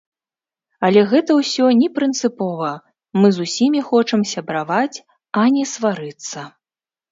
Але гэта ўсё не прынцыпова, мы з усімі хочам сябраваць, а не сварыцца.